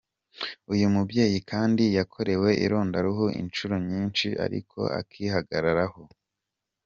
Uyu mubyeyi kandi yakorewe irondaruhu inshuro nyinshi ariko akihagararaho.